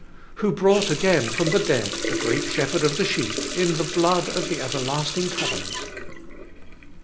Who brought again from the dead the great Shepherd of the sheep, in the blood of the everlasting covenant.